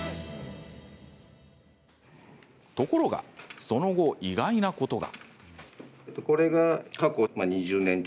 ところがその後、意外なことが。